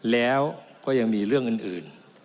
แล้วก็ยังมีเรื่องอื่น